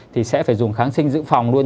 thì sẽ phải dùng kháng sinh dự phòng luôn